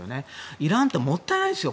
イランってもったいないですよ